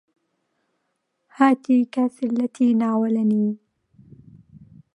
هاته الكأس التي ناولني